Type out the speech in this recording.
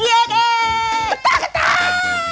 ตาก่อ